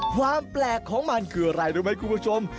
ความแปลกของมันคืออะไรรู้ไหมคุณผู้ชม